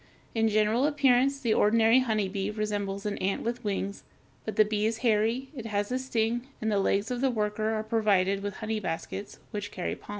In general appearance the ordinary honeybee resembles an ant with wings; but the bee is hairy, it has a sting, and the legs of the worker are provided with "honey baskets," which carry pollen.